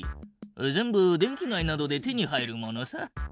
全部電気街などで手に入るものさ。